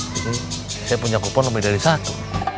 saya punya kupon lebih dari satu